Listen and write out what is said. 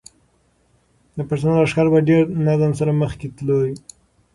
د پښتنو لښکر په ډېر نظم سره مخکې تلو.